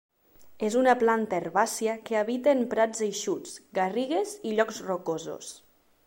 És una planta herbàcia que habita en prats eixuts, garrigues i llocs rocosos.